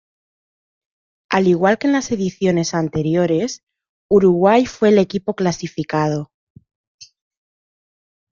Al igual que en las ediciones anteriores, Uruguay fue el equipo clasificado.